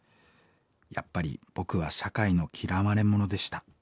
やっぱり僕は社会の嫌われ者でした。